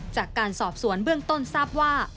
จากการสอบสวนเบื้องต้นทราบว่า